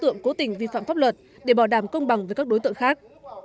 cường quyết không xóa nợ vì phạm pháp luật để bỏ đảm công bằng với các đối tượng khác